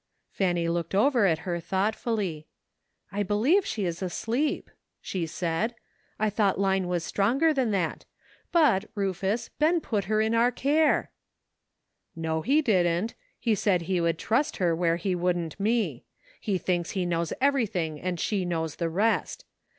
Fanny looked over at her thoughtfully. " I believe she is asleep," she said. " I thought 62 "^ PRETTY STATE OF THINGS.'' Line was stronger than that. But, Ruf us, Ben put her in our care." " No, he didn't ; he said he would trust her where he wouldn't me. He thinks he knows everything and she knows the rest.